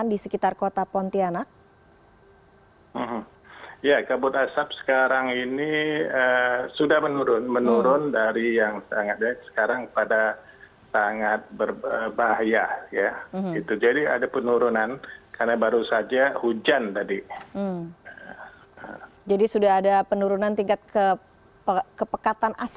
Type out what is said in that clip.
tetapi sebagian sudah datang ke sekolah